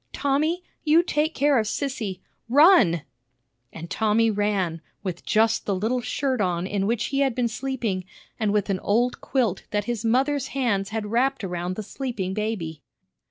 Tommy? you take care of Sissy! Run!" And Tommy ran, with just the little shirt on in which he had been sleeping, and with an old quilt that his mother's hands had wrapped around the sleeping baby.